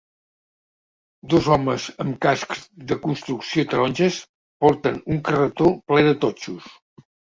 Dos homes amb cascs de construcció taronges porten un carretó ple de totxos.